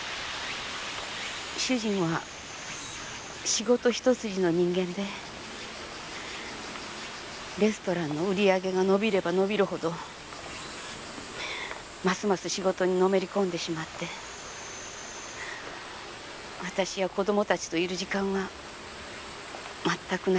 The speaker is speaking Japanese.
主人は仕事一筋の人間でレストランの売り上げが伸びれば伸びるほどますます仕事にのめり込んでしまって私や子供たちといる時間は全くなくて。